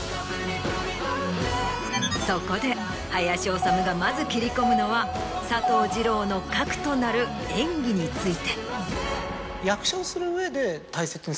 そこで林修がまず切り込むのは佐藤二朗の核となる演技について。